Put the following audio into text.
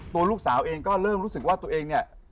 ตัวลูกสาวเองก็เริ่มรู้สึกว่าตัวเองเนี่ย